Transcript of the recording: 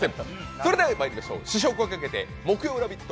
それではまいりましょう試食をかけて木曜「ラヴィット！」